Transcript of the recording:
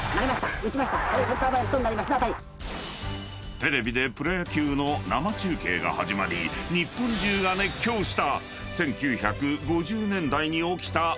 ［テレビでプロ野球の生中継が始まり日本中が熱狂した］